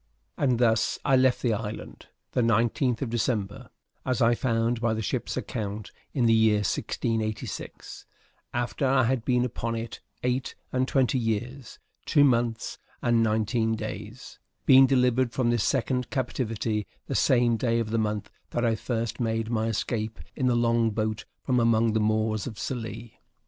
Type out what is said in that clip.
And thus I left the island, the 19th of December, as I found by the ship's account, in the year 1686, after I had been upon it eight and twenty years, two months, and nineteen days; being delivered from this second captivity the same day of the month that I first made my escape in the long boat from among the Moors of Sallee.